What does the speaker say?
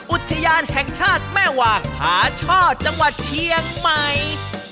อุทยานแห่งชาติแม่วางผาช่อจังหวัดเชียงใหม่